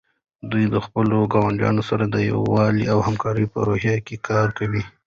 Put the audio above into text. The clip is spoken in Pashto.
دوی د خپلو ګاونډیانو سره د یووالي او همکارۍ په روحیه کار کوي.